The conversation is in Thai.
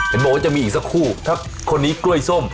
เห็นบอกว่าจะมีอีกสักคู่ถ้าคนนี้กล้วยส้ม